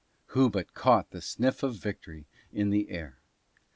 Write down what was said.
Who but caught the sniff of victory in the air?